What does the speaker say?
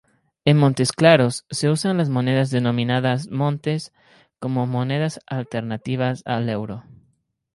En Montesclaros, se usan las monedas denominadas "montes" como monedas alternativas al euro.